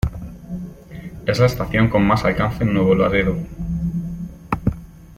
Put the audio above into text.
Es la estación con más alcance en Nuevo Laredo.